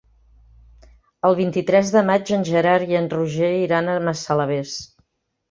El vint-i-tres de maig en Gerard i en Roger iran a Massalavés.